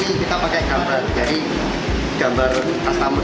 ini kita pakai gambar jadi gambar kastamun